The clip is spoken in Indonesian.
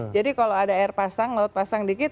jadi kalau ada air pasang laut pasang dikit